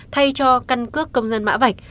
thay cho căn cước công dân mã vạch